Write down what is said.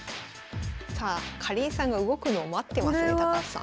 さあかりんさんが動くのを待ってますね高橋さん。